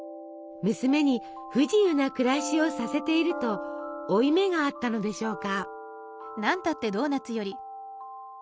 娘に不自由な暮らしをさせていると負い目があったのでしょうか。